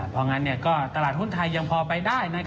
เพราะงั้นก็ตลาดหุ้นไทยยังพอไปได้